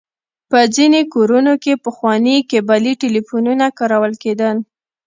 په ځينې کورونو کې پخواني کيبلي ټليفونونه کارول کېدل.